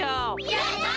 やった！